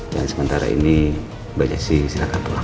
dan sementara ini bajasi silahkan pulang